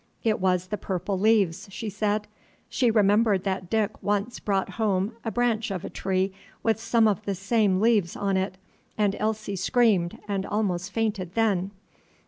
It was the purple leaves, she said. She remembered that Dick once brought home a branch of a tree with some of the same leaves on it, and Elsie screamed and almost fainted then.